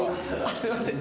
すいません。